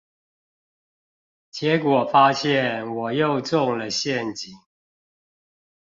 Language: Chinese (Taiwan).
結果發現我又中了陷阱